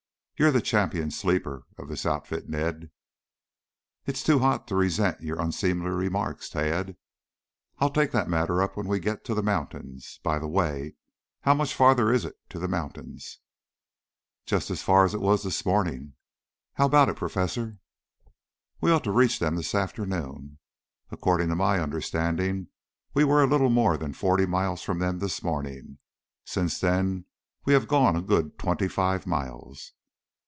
You're the champion sleeper of this outfit, Ned." "It's too hot to resent your unseemly remarks, Tad. I'll take that matter up when we get to the mountains. By the way, how much farther is it to the mountains?" "Just as far as it was this morning. How about it, Professor?" "We ought to reach them this afternoon. According to my understanding, we were a little more than forty miles from them this morning. Since then we have gone a good twentyfive miles."